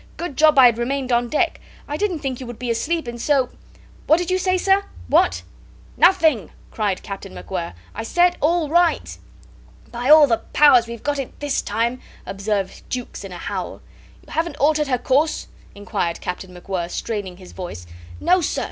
Good job I had remained on deck. I didn't think you would be asleep, and so ... What did you say, sir? What?" "Nothing," cried Captain MacWhirr. "I said all right." "By all the powers! We've got it this time," observed Jukes in a howl. "You haven't altered her course?" inquired Captain MacWhirr, straining his voice. "No, sir.